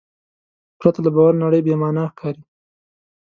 پرته له باور نړۍ بېمانا ښکاري.